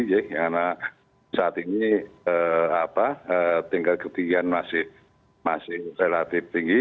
karena saat ini tingkat ketiga masih relatif tinggi